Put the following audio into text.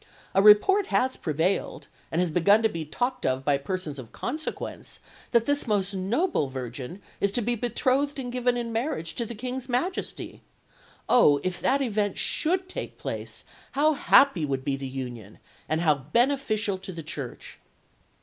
A report has prevailed, and has begun to be talked of by persons of consequence, that this most noble virgin is to be betrothed and given in marriage to the King's majesty. Oh, if that event should take place, how happy would be the union, and how beneficial to the church!"